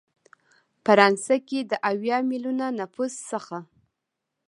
فرانسه کې د اویا ملیونه نفوس څخه